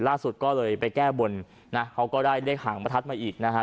ล่าสุดก็เลยไปแก้บนนะเขาก็ได้เลขหางประทัดมาอีกนะฮะ